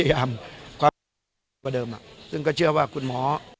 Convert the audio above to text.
พยายามความพอเดิมอ่ะซึ่งก็เชื่อว่าคุณหมอ